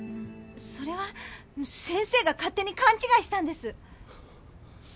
それは先生が勝手にかんちがいしたんです。